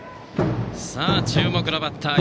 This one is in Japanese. さあ、注目のバッター。